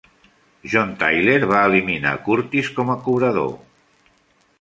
John Tyler va eliminar Curtis com a cobrador.